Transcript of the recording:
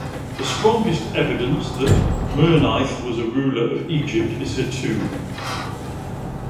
The strongest evidence that Merneith was a ruler of Egypt is her tomb.